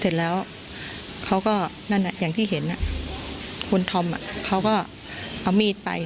เสร็จแล้วเขาก็นั่นอย่างที่เห็นคุณธอมเขาก็เอามีดไป